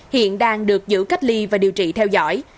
hiện đang được giữ cách ly và điều trị theo dõi